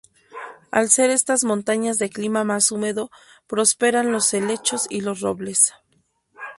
Al ser estas montañas de clima más húmedo, prosperan los helechos y los robles.